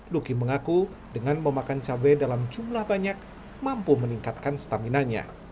luki mengaku dengan memakan cabai dalam jumlah banyak mampu meningkatkan staminanya